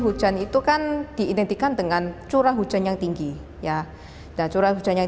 hujan itu kan diidentikan dengan curah hujan yang tinggi ya curah hujan yang